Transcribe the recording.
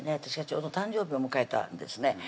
私がちょうど誕生日を迎えたんですね